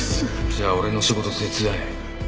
じゃあ俺の仕事手伝え。